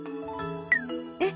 えっ！